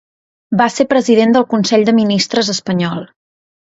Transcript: Va ser President del Consell de Ministres espanyol.